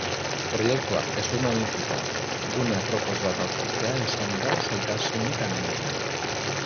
Proiektua hezurmamituta, gune apropos bat aurkitzea izan da zailtasunik handiena.